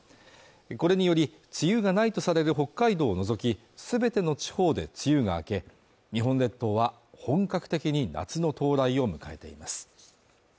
これにより梅雨がないとされる北海道を除きすべての地方で梅雨が明け日本列島は本格的に夏の到来を迎えています